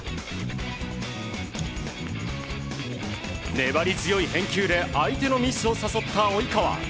粘り強い返球で相手のミスを誘った及川。